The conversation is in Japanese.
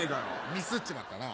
ミスっちまったな。